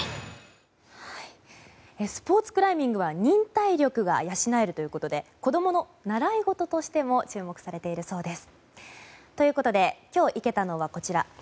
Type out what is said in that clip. スポーツクライミングは忍耐力が養えるということで子どもの習い事としても注目されているそうです。